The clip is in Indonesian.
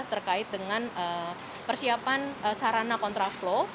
terkait dengan persiapan sarana kontraflow